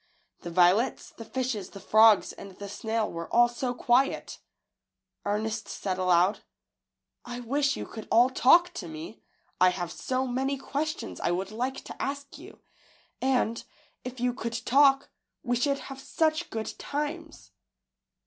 The violets, the fishes, the frogs, and the snail were all so quiet! Ernest said aloud, wish you could all talk to me; I have so many questions I would like to ask you, and, if you could talk, we should have such good times."